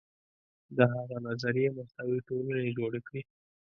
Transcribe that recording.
د هغه نظریې مساوي ټولنې جوړې کړې.